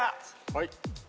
はい。